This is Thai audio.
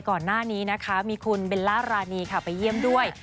ก่อนหน้านี้นะคะมีคุณเบลล่ารานีค่ะไปเยี่ยมด้วย